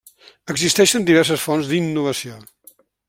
Existeixen diverses fonts d'innovació.